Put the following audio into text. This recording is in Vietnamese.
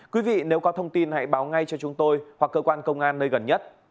quý vị nếu có thông tin hãy báo ngay cho chúng tôi hoặc cơ quan công an nơi gần nhất